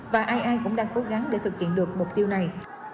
và ai ai cũng đang cố gắng để thực hiện được mục tiêu này